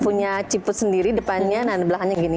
punya ciput sendiri depannya nah belahannya gini